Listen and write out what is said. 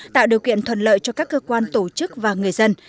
tạo điều kiện thuận lợi cho các cơ quan tổ chức và người dân